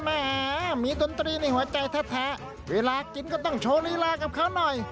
แม่มีดนตรีในหัวใจแท้เวลากินก็ต้องโชว์ลีลากับเขาหน่อย